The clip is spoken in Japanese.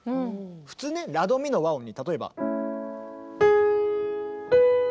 普通ねラドミの和音に例えば。